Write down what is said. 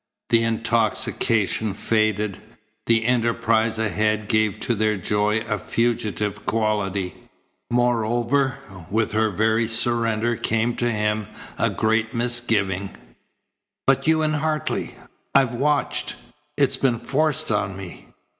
The intoxication faded. The enterprise ahead gave to their joy a fugitive quality. Moreover, with her very surrender came to him a great misgiving. "But you and Hartley? I've watched. It's been forced on me."